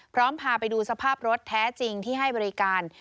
พาไปดูสภาพรถแท้จริงที่ให้บริการ